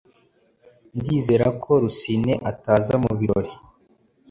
Ndizera ko Rusine ataza mubirori